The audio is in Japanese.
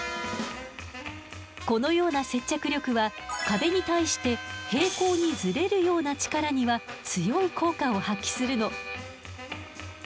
このような接着力は壁に対して平行にずれるような力には強い効果を発揮するの。